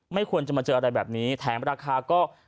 ไม่ควรจะมาเจออะไรแบบนี้แถมราคาก็